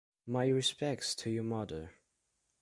My respects to your mother.